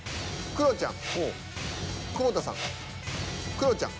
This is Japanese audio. クロちゃん。